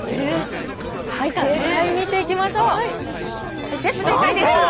正解見ていきましょう。